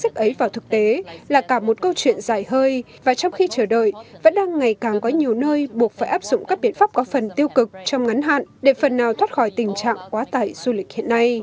chính ấy vào thực tế là cả một câu chuyện dài hơi và trong khi chờ đợi vẫn đang ngày càng có nhiều nơi buộc phải áp dụng các biện pháp có phần tiêu cực trong ngắn hạn để phần nào thoát khỏi tình trạng quá tải du lịch hiện nay